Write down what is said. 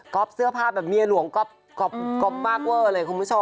ดับเสื้อผ้าแบบเมียหลวงดับมากเว้อมากเว้อเลยคุณผู้ชม